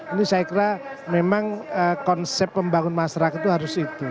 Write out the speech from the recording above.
ini saya kira memang konsep pembangun masyarakat itu harus itu